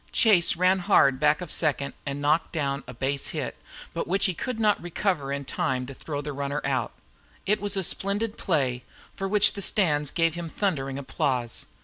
Chase ran hard back of second and knocked down a base hit, but which he could not recover in time to throw the runner out. It was a splendid play, for which the stands gave him thundering applause.